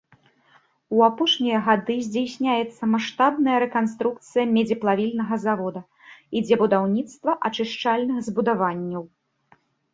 У апошнія гады здзяйсняецца маштабная рэканструкцыя медзеплавільнага завода, ідзе будаўніцтва ачышчальных збудаванняў.